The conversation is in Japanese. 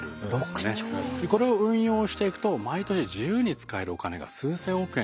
これを運用していくと毎年自由に使えるお金が数千億円出てくるんです。